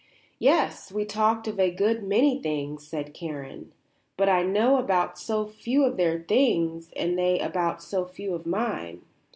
"Yes; we talked of a good many things," said Karen. "But I know about so few of their things and they about so few of mine.